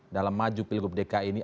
dalam maju pilgub dki ini